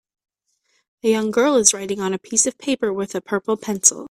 A young girl is writing on a piece of paper with a purple pencil.